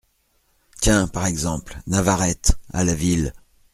Tiens, par exemple, Navarette, à la ville …